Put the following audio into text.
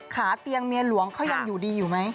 ขาเตียงเมียหลวงเขายังอยู่ดีอยู่ไหม